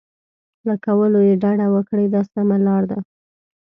له کولو یې ډډه وکړئ دا سمه لار ده.